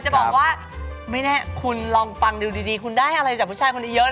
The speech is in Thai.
จะบอกว่าไม่แน่คุณลองฟังดูดีคุณได้อะไรจากผู้ชายคนนี้เยอะ